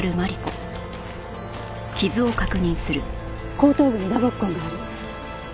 後頭部に打撲痕がある。